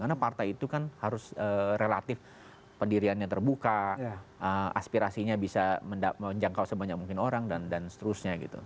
karena partai itu kan harus relatif pendiriannya terbuka aspirasinya bisa menjangkau sebanyak mungkin orang dan seterusnya gitu